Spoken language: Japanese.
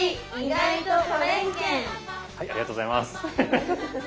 はいありがとうございますハハハッ。